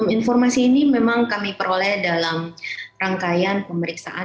informasi ini memang kami peroleh dalam rangkaian pemeriksaan